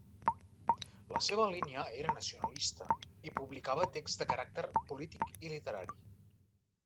La seva línia era nacionalista i publicava texts de caràcter polític i literari.